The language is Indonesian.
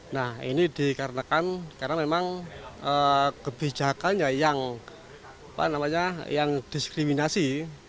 nah ini dikarenakan karena memang kebijakannya yang diskriminasi